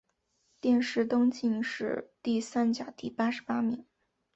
殿试登进士第三甲第八十八名。